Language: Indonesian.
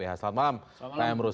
selamat malam pak emrus